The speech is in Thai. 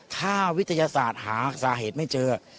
ถ้าวิทยาศาสตร์หาสาเหตุไม่เจอ